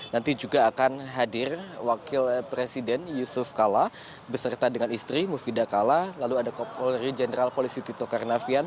nanti juga akan hadir wakil presiden yusuf kala beserta dengan istri mufidah kala lalu ada kopolri jenderal polisi tito karnavian